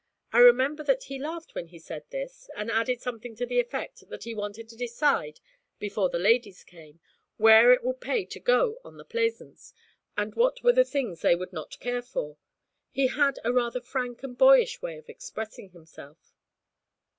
I remember that he laughed when he said this, and added something to the effect that he wanted to decide, before the ladies came, where it would pay to go on the Plaisance, and what were the things they would not care for. He had a rather frank and boyish way of expressing himself.'